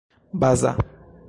baza